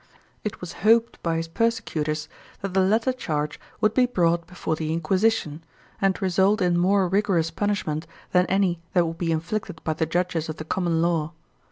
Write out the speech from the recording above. It was hoped by his persecutors that the latter charge would be brought before the Inquisition, and result in more rigorous punishment than any that would be inflicted by the judges of the common law.